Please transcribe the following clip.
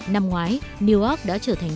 năm ngoái newark đã trở thành